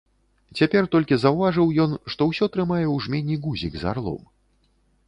Цяпер толькі заўважыў ён, што ўсё трымае ў жмені гузік з арлом.